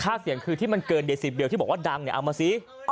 เสียงคือที่มันเกินเดี๋ยว๑๐เดียวที่บอกว่าดังเนี่ยเอามาสิ